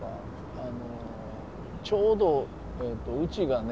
あのちょうどうちがね